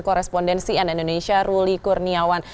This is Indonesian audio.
korespondensi n indonesia ruli kurniawan